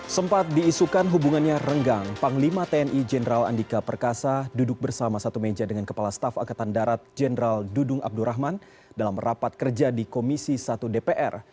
sempat diisukan hubungannya renggang panglima tni jenderal andika perkasa duduk bersama satu meja dengan kepala staf angkatan darat jenderal dudung abdurrahman dalam rapat kerja di komisi satu dpr